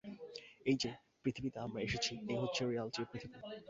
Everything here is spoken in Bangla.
এই-যে পৃথিবীতে আমরা এসেছি এ হচ্ছে রিয়ালিটির পৃথিবী।